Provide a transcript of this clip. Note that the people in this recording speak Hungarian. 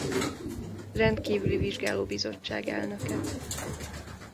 Rendkívüli Vizsgálóbizottság elnöke.